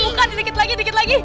bukan bukan dikit lagi dikit lagi